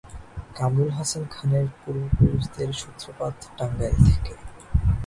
কামরুল হাসান খানের পূর্বপুরুষদের সূত্রপাত টাঙ্গাইল থেকে।